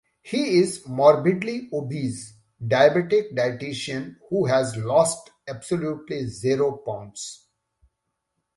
He's a morbidly obese, diabetic dietitian who has lost absolutely zero pounds.